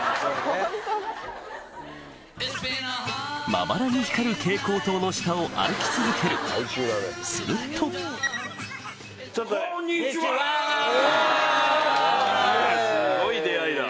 まばらに光る蛍光灯の下を歩き続けるするとすごい出会いだ。